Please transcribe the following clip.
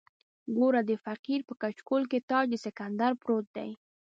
ګوره د فقیر په کچکول کې تاج د سکندر پروت دی.